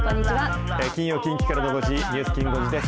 金曜、近畿からの５時ニュースきん５時です。